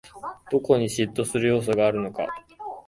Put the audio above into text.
どこに嫉妬する要素があるのか